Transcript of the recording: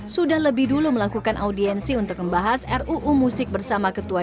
sudah lebih dulu melakukan audiensi untuk membahas ruu musik bersama ketua